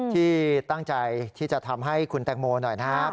ที่ตั้งใจที่จะทำให้คุณแตงโมหน่อยนะครับ